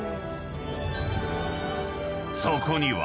［そこには］